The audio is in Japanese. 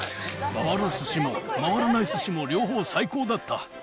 回るすしも回らないすしも両方最高だった。